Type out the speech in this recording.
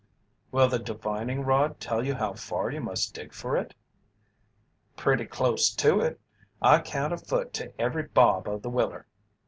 "Will the divining rod tell you how far you must dig for it?" "Pretty close to it. I count a foot to every bob of the willer."